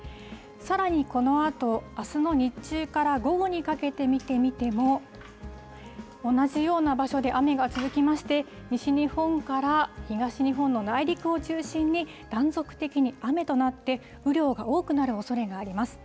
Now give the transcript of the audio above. さらにこのあと、あすの日中から午後にかけて見てみても、同じような場所で雨が続きまして、西日本から東日本の内陸を中心に、断続的に雨となって、雨量が多くなるおそれがあります。